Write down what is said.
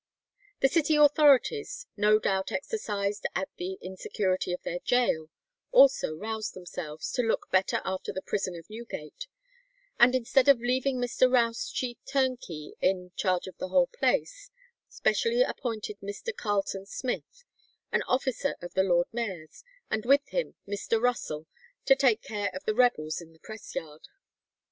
The city authorities, no doubt exercised at the insecurity of their gaol, also roused themselves "to look better after their prison of Newgate," and instead of leaving Mr. Rouse chief turnkey in charge of the whole place, specially appointed Mr. Carleton Smith, an officer of the lord mayor's, and with him Mr. Russell, to take care of the rebels in the press yard.